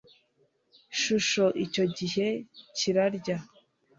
shusho icyo gihe kirarya